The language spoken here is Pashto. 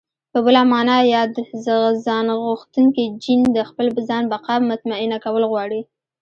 په بله مانا ياد ځانغوښتونکی جېن د خپل ځان بقا مطمينه کول غواړي.